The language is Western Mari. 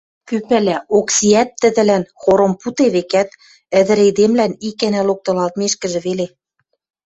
Кӱ пӓлӓ, Оксиӓт тӹдӹлӓн хором пуде, векӓт, ӹдӹр эдемлӓн ик гӓнӓ локтылалтмешкӹжӹ веле